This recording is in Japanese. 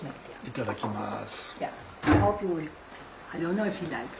いただきます。